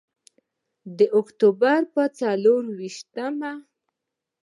د اکتوبر په څلور ویشتمه.